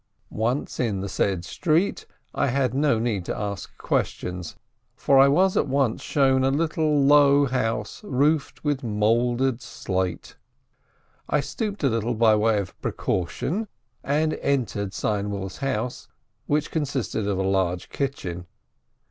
Once in the said street, I had no need to ask questions, for I was at once shown a little, low house, roofed with mouldered slate. I stooped a little by way of precaution, and entered Seinwill's house, which consisted of a large kitchen.